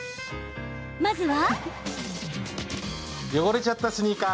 まずは。